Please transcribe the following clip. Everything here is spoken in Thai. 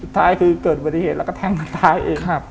สุดท้ายคือเกิดปฏิเหตุแล้วก็แทงมันตายเอง